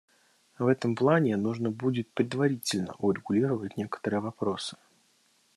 В этом плане нужно будет предварительно урегулировать некоторые вопросы.